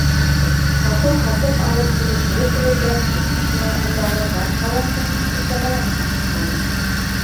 Һатыу-һатып алыу килешеүе төҙөлгәс кенә ундағы газ колонкаһының эшләмәгәнен асыҡланым.